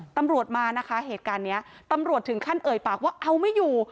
ตำรวจมานะคะเหตุการณ์นี้ตำรวจถึงขั้นเอ่ยปากว่าเอาไม่อยู่